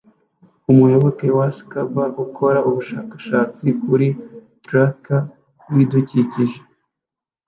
Umuyoboke wa scuba ukora ubushakashatsi kuri tranquil yibidukikije